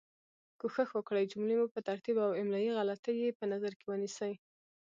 کوښښ وکړئ جملې مو په ترتیب او املایي غلطې یي په نظر کې ونیسۍ